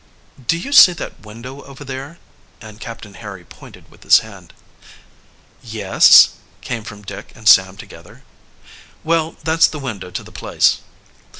"Do you see that window over there?" and Captain Harry pointed with his hand. "Yes," came from Dick and Sam together. "Well, that's the window to the place."